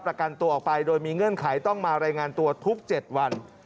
ประกันตัวออกไปโดยมีเงื่อนไขต้องมารายงานตัวทุก๗วัน